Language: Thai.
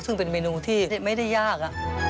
ซึ่งเป็นเมนูที่ไม่ได้ยาก